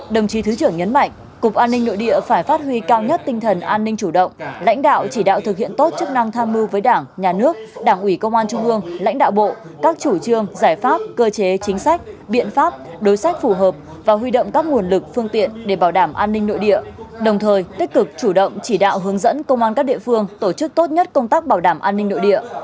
đồng chí thứ trưởng nhấn mạnh cục an ninh nội địa phải phát huy cao nhất tinh thần an ninh chủ động lãnh đạo chỉ đạo thực hiện tốt chức năng tham mưu với đảng nhà nước đảng ủy công an trung ương lãnh đạo bộ các chủ trương giải pháp cơ chế chính sách biện pháp đối sách phù hợp và huy động các nguồn lực phương tiện để bảo đảm an ninh nội địa đồng thời tích cực chủ động chỉ đạo hướng dẫn công an các địa phương tổ chức tốt nhất công tác bảo đảm an ninh nội địa